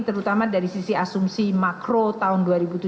terutama dari sisi asumsi makro tahun dua ribu tujuh belas